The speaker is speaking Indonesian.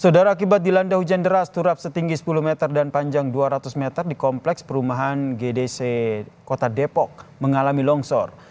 saudara akibat dilanda hujan deras turap setinggi sepuluh meter dan panjang dua ratus meter di kompleks perumahan gdc kota depok mengalami longsor